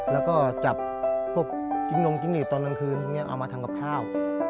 แล้วก็จับพวกจิ๊มนมจิ๊มหนีดตอนน้ำคืนเอามาทำกับข้าว